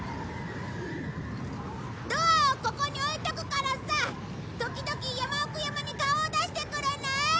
ドアをここに置いとくからさ時々矢麻奥山に顔を出してくれない？